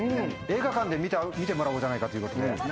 映画館で見てもらおうじゃないかと。